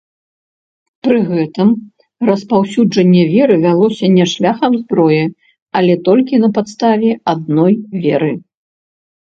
Пры гэтым распаўсюджанне веры вялося не шляхам зброі, але толькі на падставе адной веры.